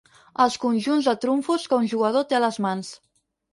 Els conjunts de trumfos que un jugador té a les mans.